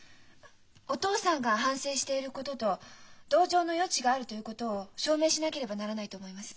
お父さんが反省していることと同情の余地があるということを証明しなければならないと思います。